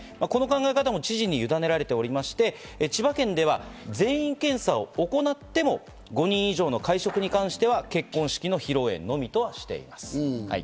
この考え方も知事に委ねられておりまして、千葉県では全員検査を行っても、５人以上の会食に関しては結婚式の披露宴のみとしています。